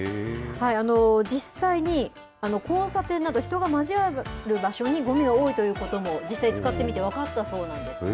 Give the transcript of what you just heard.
実際に交差点など、人が交わる場所に、ごみが多いということも、実際に使ってみて分かったそうなんですね。